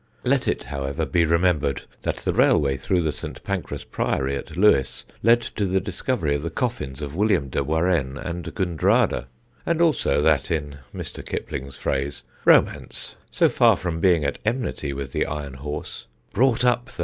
Let it, however, be remembered that the railway through the St. Pancras Priory at Lewes led to the discovery of the coffins of William de Warenne and Gundrada, and also that, in Mr. Kipling's phrase, romance, so far from being at enmity with the iron horse, "brought up the 9.